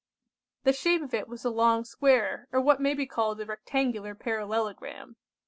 The shape of it was a long square, or what may be called a rectangular parallelogram.